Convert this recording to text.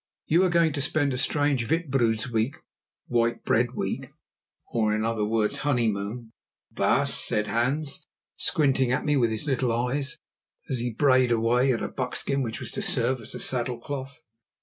"You are going to spend a strange wittebroodsweek [white bread week, or, in other words, honeymoon], baas," said Hans, squinting at me with his little eyes, as he brayed away at a buckskin which was to serve as a saddle cloth.